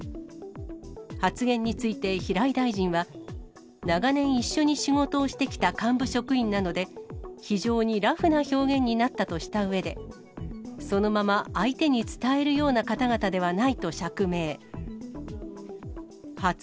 発言について、平井大臣は、長年一緒に仕事をしてきた幹部職員なので、非常にラフな表現になったとしたうえで、そのまま相手に伝えるような方々ではないと釈明。